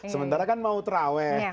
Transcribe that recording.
sementara kan mau terawih